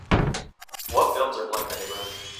What films are playing in the neighborhood